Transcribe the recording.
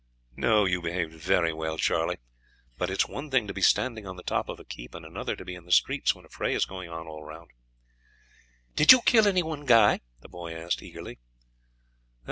"No, you behaved very well, Charlie; but it is one thing to be standing on the top of a keep and another to be in the streets when a fray is going on all round." "Did you kill anyone, Guy?" the boy asked eagerly.